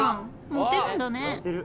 モテるんだね。